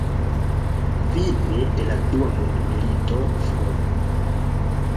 Fine de la Dua Mondmilito, Fr.